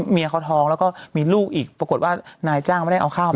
เมียเขาท้องแล้วก็มีลูกอีกปรากฏว่านายจ้างไม่ได้เอาข้าว